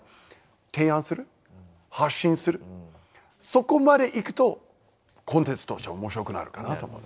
そこまでいくとコンテンツとして面白くなるかなと思うんですね。